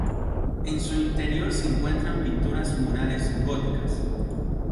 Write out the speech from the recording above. En su interior se encuentran pinturas murales góticas.